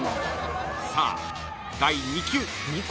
［さあ第２球］